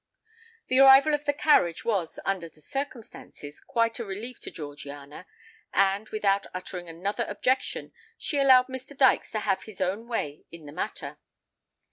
The arrival of the carriage was, under the circumstances, quite a relief to Georgiana; and, without uttering another objection, she allowed Mr. Dykes to have his own way in the matter.